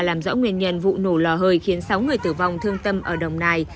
làm rõ nguyên nhân vụ nổ lò hơi khiến sáu người tử vong thương tâm ở đồng nai